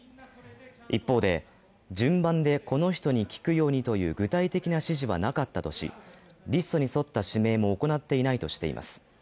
一方で順番でこの人に聞くようにという具体的な指示はなかったとし、リストに沿った指名も行っていないとしてします。